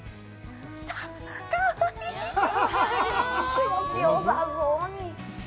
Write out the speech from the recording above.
気持ちよさそうに。